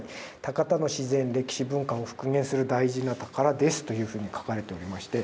高田の自然・歴史・文化を復元する大事な宝です」というふうに書かれておりまして。